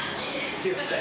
すみません。